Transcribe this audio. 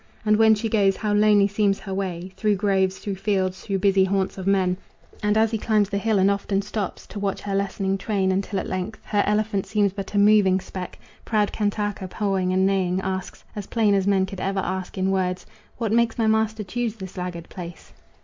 And when she goes how lonely seems her way Through groves, through fields, through busy haunts of men; And as he climbs the hill and often stops To watch her lessening train until at length Her elephant seems but a moving speck, Proud Kantaka, pawing and neighing, asks As plain as men could ever ask in, words: "What makes my master choose this laggard pace?"